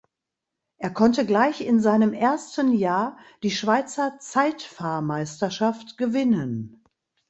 Er konnte gleich in seinem ersten Jahr die Schweizer Zeitfahrmeisterschaft gewinnen.